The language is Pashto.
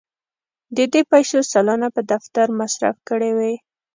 د دې پیسو سلنه په دفتر مصرف کړې وې.